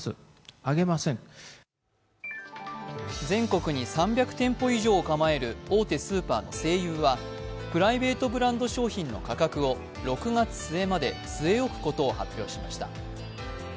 全国に３００店舗以上を構える大手スーパーの西友はプライベートブランド商品の価格を６月末まで据え置くことを発表しました。